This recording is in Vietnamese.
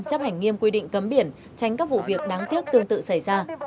chấp hành nghiêm quy định cấm biển tránh các vụ việc đáng tiếc tương tự xảy ra